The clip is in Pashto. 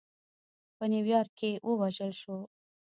په نیویارک کې ووژل شو.